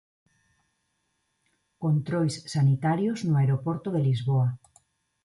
Controis sanitarios no aeroporto de Lisboa.